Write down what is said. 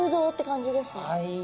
はい。